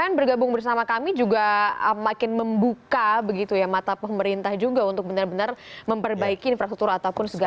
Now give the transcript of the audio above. yang bergabung bersama kami juga makin membuka begitu ya mata pemerintah juga untuk benar benar memperbaiki infrastruktur ataupun segala